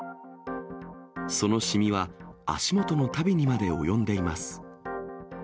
その染みは、足元の足袋にまで及んでいます。